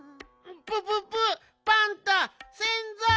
プププパンタせんざい！